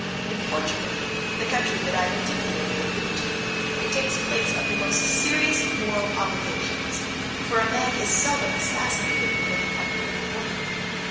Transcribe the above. In Portugal, the country that I particularly allude to, it takes place of the most serious moral obligations; for a man is seldom assassinated when in the company of a woman.